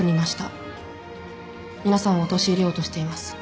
皆さんを陥れようとしています。